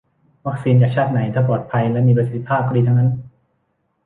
วัคซีนจากชาติไหน ถ้าปลอดภัยและมีประสิทธิภาพ ก็ดีทั้งนั้น